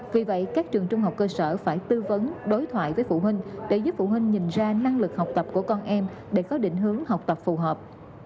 vì vậy các trường trung học cơ sở phải tư vấn đối thoại với phụ huynh để giúp phụ huynh nhìn ra năng lực học tập của con em để có định hướng học tập phù hợp